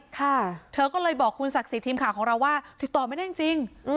ค่ะเธอก็เลยบอกคุณศักดิ์สิทธิ์ทีมข่าวของเราว่าติดต่อไม่ได้จริง